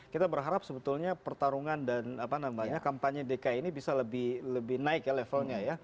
kita berharap sebetulnya pertarungan dan kampanye dki ini bisa lebih naik ya levelnya ya